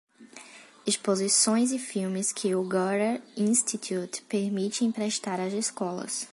Exposições e filmes que o Goethe-Institut permite emprestar às escolas.